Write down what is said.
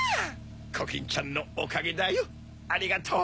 コキンちゃんのおかげだよありがとう！